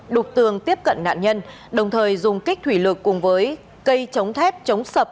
đục tường tiếp cận nạn nhân đồng thời dùng kích thủy lực cùng với cây chống thép chống sập